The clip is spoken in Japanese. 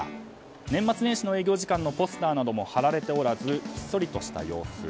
年末年始の営業時間のポスターなども貼られておらずひっそりとした様子。